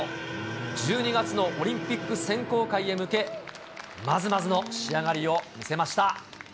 １２月のオリンピック選考会へ向け、まずまずの仕上がりを見せました。